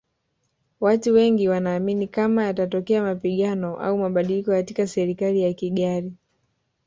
Watu Wengi wanaamini kama yatatokea mapigano au mabadiliko katika Serikali ya Kigali